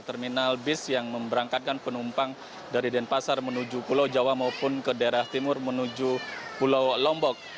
terminal bis yang memberangkatkan penumpang dari denpasar menuju pulau jawa maupun ke daerah timur menuju pulau lombok